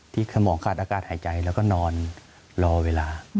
สมองขาดอากาศหายใจแล้วก็นอนรอเวลา